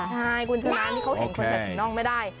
ใช่คุณชนะนี่เขาเห็นคนใส่ถุงน่องไม่ได้